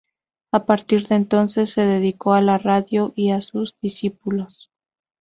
A partir de entonces se dedicó a la radio y a sus discípulos.